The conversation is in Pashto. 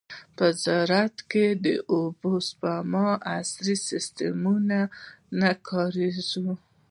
په زراعت کې د اوبو د سپما عصري سیستمونه نه کارېږي.